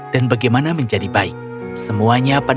dan berani untuk mencari kemampuan